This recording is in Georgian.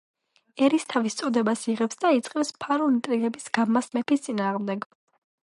ერისთავის წოდებას იღებს და იწყებს ფარულ ინტრიგების გაბმას მეფის წინააღმდეგ.